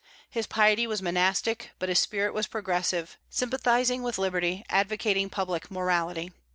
His piety was monastic, but his spirit was progressive, sympathizing with liberty, advocating public morality.